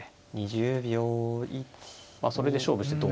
それで勝負してと。